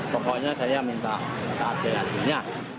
pokoknya saya minta saatnya akhirnya